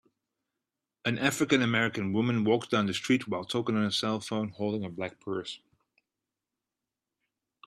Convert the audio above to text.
An African American woman walks down the street while talking on a cellphone holding a black purse.